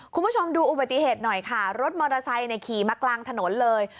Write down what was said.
คุณผู้ชมดูอุบัติเหตุหน่อยค่ะรถมอเตอร์ไซค์ขี่มากลางถนนเลย